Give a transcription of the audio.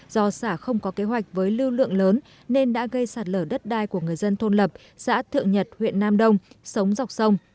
do xả không có kế hoạch với lưu lượng lớn nên đã gây sạt lở đất đai của người dân thôn lập xã thượng nhật huyện nam đông sống dọc sông